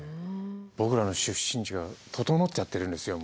僕らの出身地が整っちゃってるんですよ